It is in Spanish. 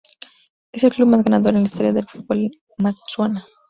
Es el club más ganador en la historia del fútbol en Botsuana.